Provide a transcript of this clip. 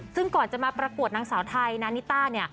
ซึ่งก่อนจะมาประกวดนางสาวไทยนานิต้าเนี่ย